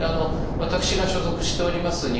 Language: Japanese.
私が所属しております